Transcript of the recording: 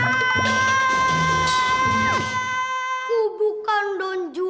aku bukan donji